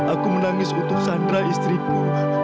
aku menangis untuk chandra istrimu